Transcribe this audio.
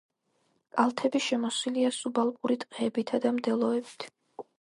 კალთები შემოსილია სუბალპური ტყეებითა და მდელოებით.